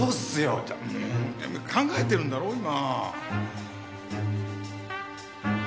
うーん考えてるんだろ今。